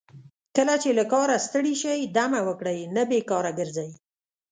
کله چې له کاره ستړي شئ دمه وکړئ نه بیکاره ګرځئ.